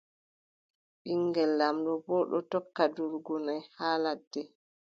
Ɓiŋngel laamɗo boo ɗon tokka durugo naʼi haa ladde.